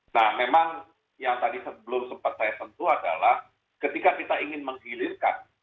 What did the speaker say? nah memang yang tadi sebelum sempat saya sentuh adalah ketika kita ingin menghilirkan